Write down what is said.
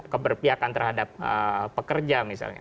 keberpiakan terhadap pekerja misalnya